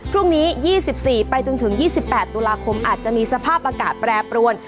พรุ่งนี้๒๔ไปจนถึง๒๘ตุลาคมอาจจะมีสภาพอากาศแปรปรวน